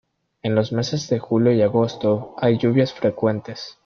En los meses de julio y agosto hay lluvias frecuentes.